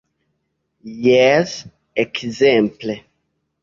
Jes; ekzemple?